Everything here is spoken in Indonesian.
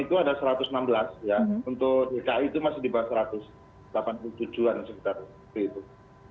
itu ada satu ratus enam belas ya untuk dki itu masih di bawah satu ratus delapan puluh tujuh an sekitar itu